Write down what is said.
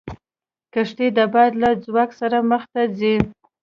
کښتۍ د باد له ځواک سره مخ ته ځي.